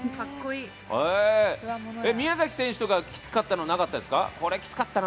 宮崎選手とか、きつかったのはなかったですか？